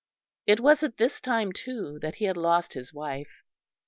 It was at this time, too, that he had lost his wife.